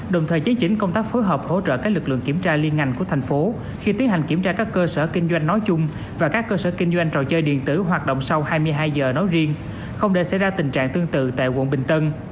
đồng thời chế chính công tác phối hợp hỗ trợ các lực lượng kiểm tra liên ngành của thành phố khi tiến hành kiểm tra các cơ sở kinh doanh nói chung và các cơ sở kinh doanh trò chơi điện tử hoạt động sau hai mươi hai h nói riêng không để xảy ra tình trạng tương tự tại quận bình tân